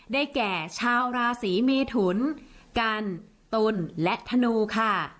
แก่ชาวราศีเมทุนกันตุลและธนูค่ะ